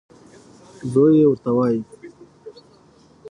زوی یې ورته وايي: